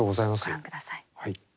はい。